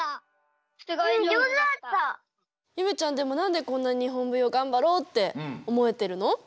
ゆめちゃんでもなんでこんなにほんぶようがんばろうっておもえてるの？